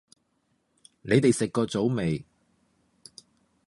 你哋食過早吂